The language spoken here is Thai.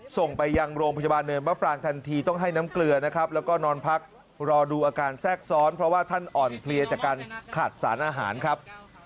ส่งไปยังโรงพยาบาลเนินมะปรางทันทีต้องให้น้ำเกลือนะครับ